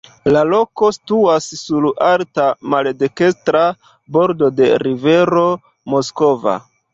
La loko situas sur alta maldekstra bordo de rivero Moskva.